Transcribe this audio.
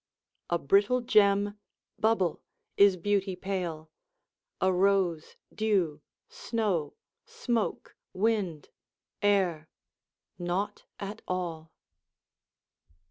A brittle gem, bubble, is beauty pale, A rose, dew, snow, smoke, wind, air, nought at all.